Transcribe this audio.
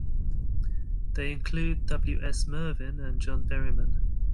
They include W. S. Merwin and John Berryman.